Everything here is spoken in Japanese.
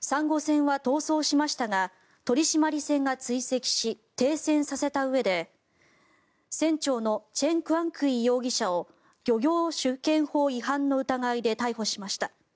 サンゴ船は逃走しましたが取締船が追跡し停船させたうえで船長のチェン・クアンクィ容疑者を漁業主権法違反の疑いで逮捕しました。